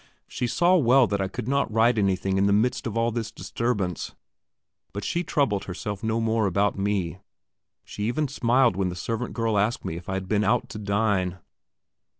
She saw well that I could not write anything in the midst of all this disturbance; but she troubled herself no more about me; she even smiled when the servant girl asked me if I had been out to dine.